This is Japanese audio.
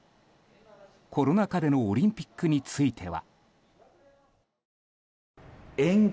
コロナ禍でのオリンピックについては。